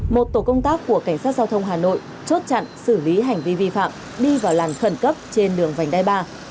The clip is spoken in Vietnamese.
một tổ công tác của cảnh sát giao thông hà nội chốt chặn xử lý hành vi vi phạm đi vào làn khẩn cấp trên đường vành đai ba